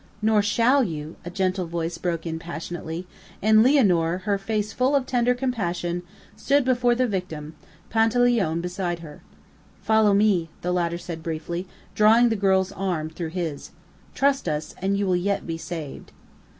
"Nor shall you," a gentle voice broke in passionately, and Lianor, her face full of tender compassion, stood before the victim, Panteleone beside her. "Follow me," the latter said briefly, drawing the girl's arm through his. "Trust us, and you will yet be saved."